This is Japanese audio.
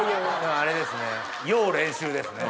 あれですね。